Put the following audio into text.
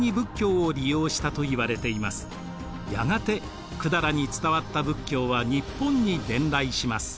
やがて百済に伝わった仏教は日本に伝来します。